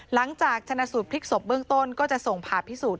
หลังจากชนะสูตรพลิกศพเบื้องต้นก็จะส่งผ่าพิสูจน